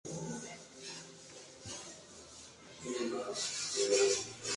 Molina pertenecía a grupos integristas católicos.